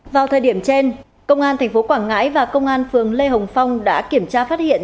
vào thời điểm trên công an tp quảng ngãi và công an phường lê hồng phong đã kiểm tra phát hiện